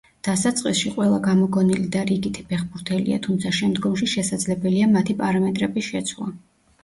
დასაწყისში ყველა გამოგონილი და რიგითი ფეხბურთელია, თუმცა შემდგომში შესაძლებელია მათი პარამეტრების შეცვლა.